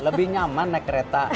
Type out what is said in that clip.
karena nyaman naik kereta